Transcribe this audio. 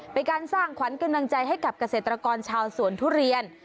เป็นการสร้างขวัญกำลังใจให้กับเกษตรกรชาวสวนทุเรียน